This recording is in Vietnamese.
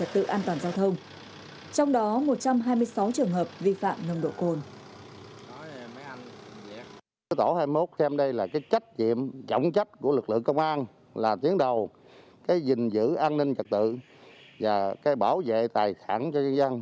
bốn trăm ba mươi một trường hợp vi phạm về trật tự an toàn giao thông